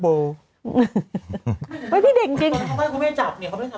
เขาไม่ได้ทำเหตุกรรมเนาะ